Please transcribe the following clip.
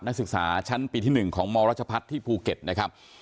นักศึกษาชั้นปีที่๑ของมรัชพัฒน์ที่ภูเก็ตนะครับ